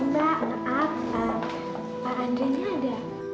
mbak maaf pak andre ini ada